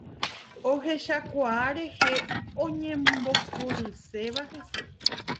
Ohechakuaa rehe oñembohoryseha hese.